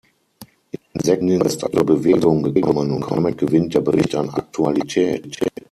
In den Sektor ist also Bewegung gekommen, und damit gewinnt der Bericht an Aktualität.